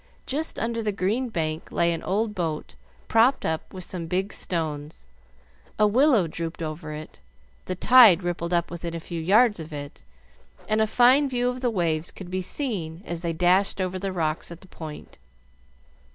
Just under the green bank lay an old boat propped up with some big stones. A willow drooped over it, the tide rippled up within a few yards of it, and a fine view of the waves could be seen as they dashed over the rocks at the point.